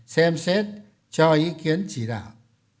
xem xét cho ý kiến chỉ đạo